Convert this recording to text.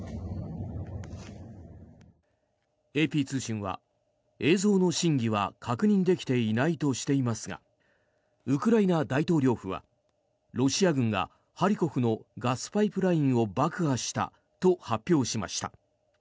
ＡＰ通信は、映像の真偽は確認できていないとしていますがウクライナ大統領府はロシア軍がハリコフのガスパイプラインを爆破したと発表しました。